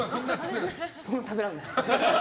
そんな食べられない。